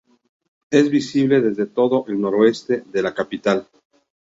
Es visible desde todo el noroeste de la capital.